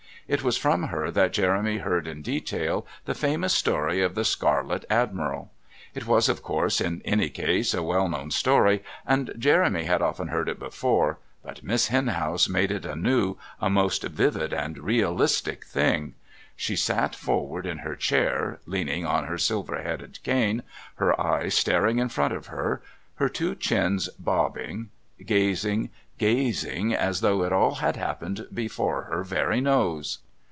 It was from her that Jeremy heard, in detail, the famous story of the Scarlet Admiral. It was, of course, in any case, a well known story, and Jeremy had often heard it before, but Miss Henhouse made it a new, a most vivid and realistic thing. She sat forward in her chair, leaning on her silver headed cane, her eyes staring in front of her, her two chins bobbing, gazing, gazing as though it all had happened before her very nose.